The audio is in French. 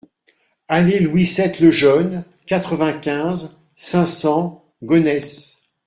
Allée Louis sept Le Jeune, quatre-vingt-quinze, cinq cents Gonesse